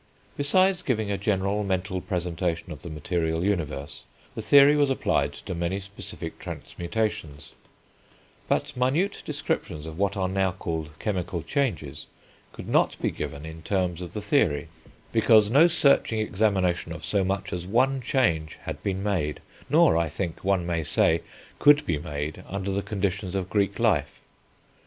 Besides giving a general mental presentation of the material universe, the theory was applied to many specific transmutations; but minute descriptions of what are now called chemical changes could not be given in terms of the theory, because no searching examination of so much as one such change had been made, nor, I think, one may say, could be made under the conditions of Greek life.